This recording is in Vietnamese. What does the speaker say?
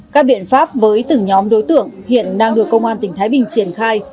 các biện pháp với từng nhóm đối tượng hiện đang được công an tỉnh thái bình triển khai